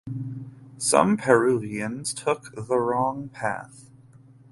Some Peruvians took the wrong path.